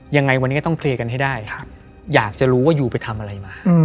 ยังไงวันนี้ก็ต้องเคลียร์กันให้ได้อยากจะรู้ว่ายูไปทำอะไรมา